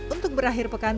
untuk berakhir perjalanan